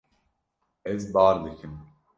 Ez bar dikim.